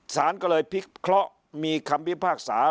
สารก็เลยพิเคราะห์มีคำพิพากษา